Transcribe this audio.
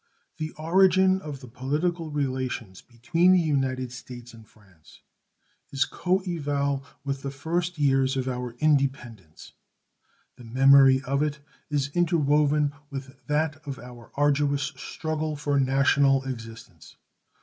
The origin of the political relations between the United States and France is coeval with the first years of our independence. The memory of it is interwoven with that of our arduous struggle for national existence.